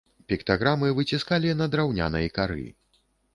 Піктаграмы выціскалі на драўнянай кары.